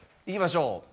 いきましょう。